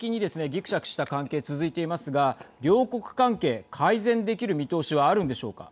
ぎくしゃくした関係続いていますが両国関係、改善できる見通しはあるんでしょうか。